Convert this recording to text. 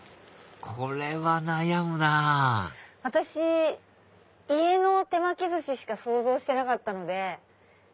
これは悩むな私家の手巻き寿司しか想像してなかったので。